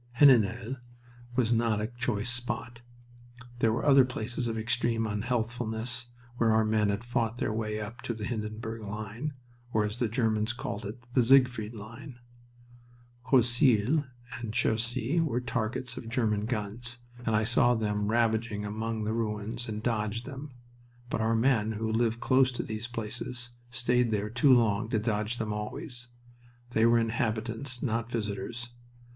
Heninel was not a choice spot. There were other places of extreme unhealthfulness where our men had fought their way up to the Hindenburg line, or, as the Germans called it, the Siegfried line. Croisille and Cherisy were targets of German guns, and I saw them ravaging among the ruins, and dodged them. But our men, who lived close to these places, stayed there too long to dodge them always. They were inhabitants, not visitors.